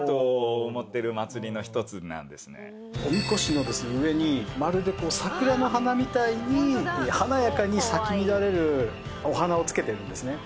お神輿の上にまるで桜の花みたいに華やかに咲き乱れるお花を付けてるんですね。